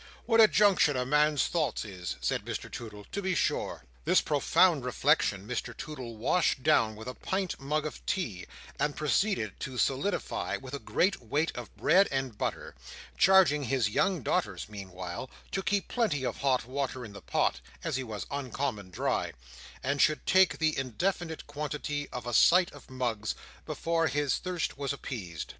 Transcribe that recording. What a Junction a man's thoughts is," said Mr Toodle, "to be sure!" This profound reflection Mr Toodle washed down with a pint mug of tea, and proceeded to solidify with a great weight of bread and butter; charging his young daughters meanwhile, to keep plenty of hot water in the pot, as he was uncommon dry, and should take the indefinite quantity of "a sight of mugs," before his thirst was appeased.